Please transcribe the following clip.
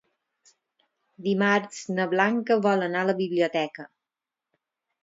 Dimarts na Blanca vol anar a la biblioteca.